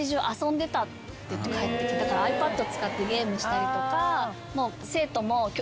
ｉＰａｄ使ってゲームしたりとか。